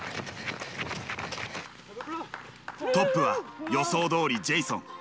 トップは予想どおりジェイソン。